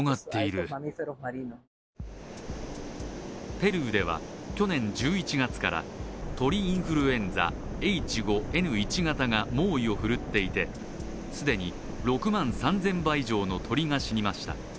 ペルーでは去年１１月から鳥インフルエンザＨ５Ｎ１型が猛威を振るっていて、既に６万３０００羽以上の鳥が死にました。